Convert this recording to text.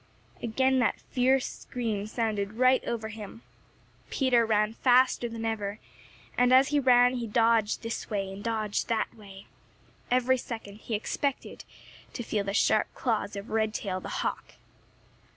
Again that fierce scream sounded right over him. Peter ran faster than ever, and as he ran, he dodged this way and dodged that way. Every second he expected to feel the sharp claws of Redtail the Hawk.